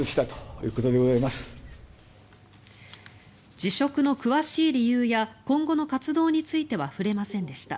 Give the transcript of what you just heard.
辞職の詳しい理由や今後の活動については触れませんでした。